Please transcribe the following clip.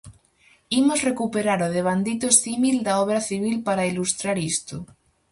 Imos recuperar o devandito símil da obra civil para ilustrar isto.